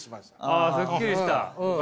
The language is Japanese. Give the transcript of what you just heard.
あすっきりした？